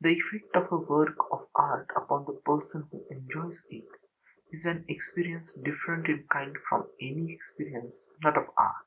The effect of a work of art upon the person who enjoys it is an experience different in kind from any experience not of art.